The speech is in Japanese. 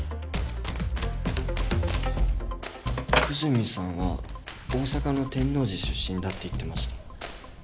久住さんは大阪の天王寺出身だって言ってました